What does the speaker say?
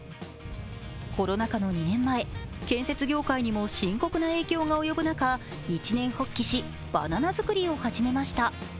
コロナ禍の２年前、建設業界にも深刻な影響が及ぶ中、一念発起し、バナナ作りを始めました。